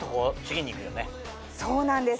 そうなんです。